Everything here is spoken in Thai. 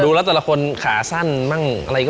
ดูแล้วแต่ละคนขาสั้นไม่รู้